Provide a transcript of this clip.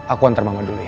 aku antar mama dulu ya